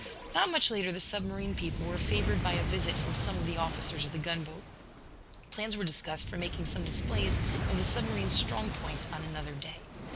Not much later the submarine people were favored by a visit from some of the officers of the gunboat. Plans were discussed for making some displays of the submarine's strong points on another day.